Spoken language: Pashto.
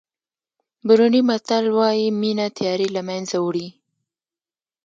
بورونډي متل وایي مینه تیارې له منځه وړي.